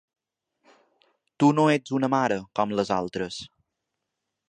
Tu no ets una mare com les altres.